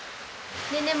ねえねえ